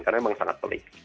karena memang sangat pelik